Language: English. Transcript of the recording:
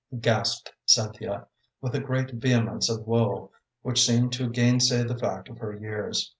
gasped Cynthia, with a great vehemence of woe, which seemed to gainsay the fact of her years.